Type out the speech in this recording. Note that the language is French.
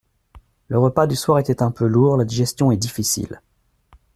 Le repas du soir était un peu lourd, la digestion est difficile.